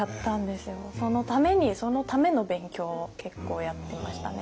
そのためにそのための勉強を結構やってましたね。